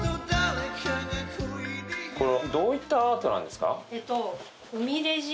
これどういったアートなんですか？